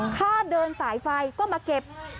ค่าเดินสายไฟก็มาเก็บ